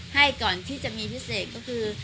ให้ก่อนที่จะมีพิเศษก็คือ